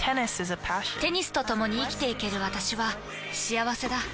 テニスとともに生きていける私は幸せだ。